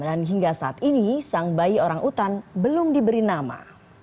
dan hingga saat ini sang bayi orang utan belum diberi nama